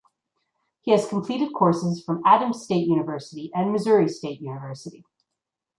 He has completed courses from Adams State University and Missouri State University.